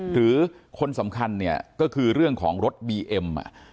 หรือคนสำคัญเนี่ยก็คือเรื่องของรถบีเอ็ม